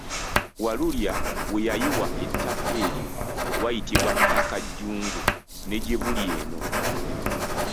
Walulya we yayiwa ettaka eryo wayitibwa Ttakajjunge ne gye buli eno.